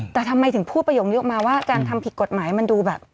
แต่ทำไมถึงพูดประโยคนี้ออกมาว่าการทำผิดกฎหมายมันดูแบบ